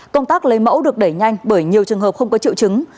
công tác lấy mẫu được đẩy nhanh bởi nhiều trường hợp không có triệu chứng